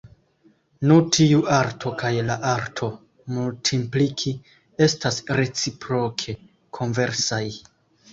Nu tiu arto kaj la arto multimpliki estas reciproke konversaj.